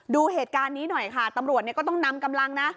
ดูเหตุการณ์นี้หน่อยค่ะตำรวจก็ต้องนำกำลังนะ